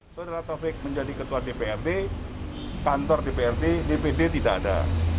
itu adalah taufik menjadi ketua dprd kantor dprd dpd tidak ada